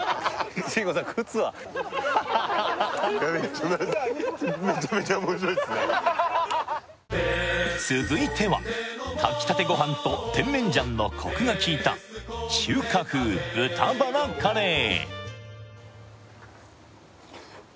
慎吾さん靴は続いては炊き立てご飯とテンメン醤のコクがきいた中華風豚バラカレー